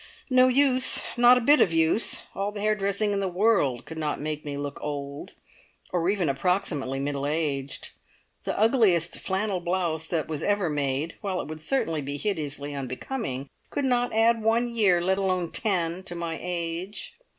No use! Not a bit of use! All the hair dressing in the world could not make me look old, or even approximately middle aged. The ugliest flannel blouse that was ever made, while it would certainly be hideously unbecoming, could not add one year, let alone ten, to my age.